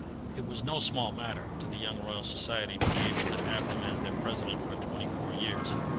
It was no small matter to the young Royal Society to be able to have him as their President for twenty four years.